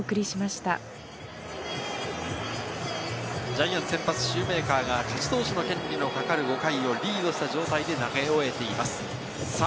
ジャイアンツ先発、シューメーカーが勝ち投手のかかる５回をリードした状態で投げ終えています。